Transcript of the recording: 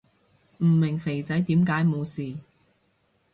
唔明肥仔點解冇事